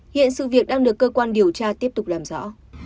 hiện sự việc đang được cơ quan điều tra tiếp tục làm rõ